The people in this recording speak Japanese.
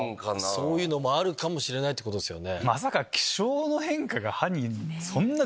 そういうのもあるかもしれないってことですよね。